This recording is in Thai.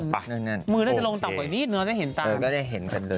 มือน่าจะลงต่อไปนิดนึง